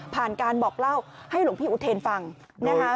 การบอกเล่าให้หลวงพี่อุเทนฟังนะคะ